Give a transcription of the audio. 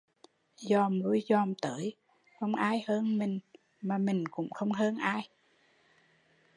Dòm lui dòm tới không ai hơn mình mà mình cũng không hơn ai